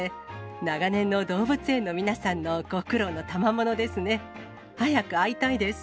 長年の動物園の皆さんのご苦労のたまものですね。